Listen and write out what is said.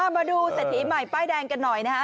มาดูเศรษฐีใหม่ป้ายแดงกันหน่อยนะฮะ